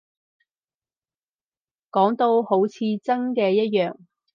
講到好似真嘅一樣